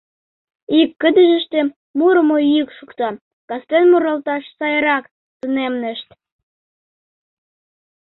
Ик кыдежыште мурымо йӱк шокта: кастен муралташ сайрак тунемнешт.